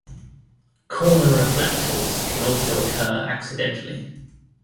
Corner reflectors can also occur accidentally.